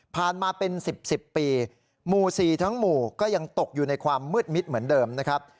มาเป็น๑๐๑๐ปีหมู่๔ทั้งหมู่ก็ยังตกอยู่ในความมืดมิดเหมือนเดิมนะครับ